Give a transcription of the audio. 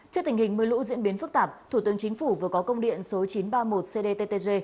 trước tình hình mưa lũ diễn biến phức tạp thủ tướng chính phủ vừa có công điện số chín trăm ba mươi một cdttg